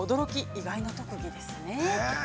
意外な特技ですね。